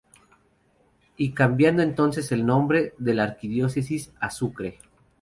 Y cambiando entonces el nombre de la arquidiócesis a Sucre.